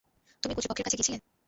তুমি কতৃপক্ষের কাছে গিয়েছিলে?